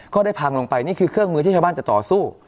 ได้พังลงไปนี่คือเครื่องมือที่ชาวบ้านจะต่อสู้